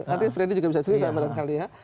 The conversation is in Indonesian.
nanti freddy juga bisa cerita barangkali ya